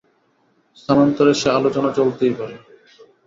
স্থানান্তরে সে আলোচনা চলতেই পারে।